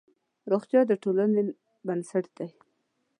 روغتیا د ټولنې بنسټ دی.